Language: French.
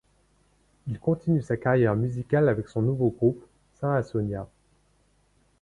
Il continue sa carrière musicale avec son nouveau groupe, Saint Asonia.